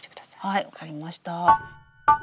はい分かりました。